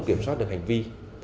kiểm soát được hành vi